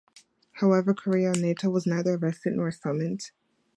However Correa Netto was neither arrested nor summoned.